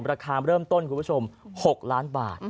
ราคาเริ่มต้นคุณผู้ชม๖ล้านบาท